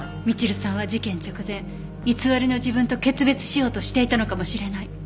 みちるさんは事件直前偽りの自分と決別しようとしていたのかもしれない。